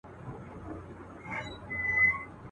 که څوک وږي که ماړه دي په کورونو کي بندیان دي.